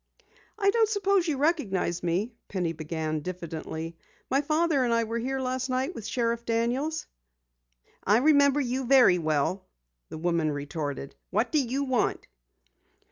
"I don't suppose you recognize me," Penny began diffidently. "My father and I were here last night with Sheriff Daniels." "I remember you very well," the woman retorted. "What do you want?"